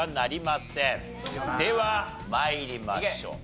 では参りましょう。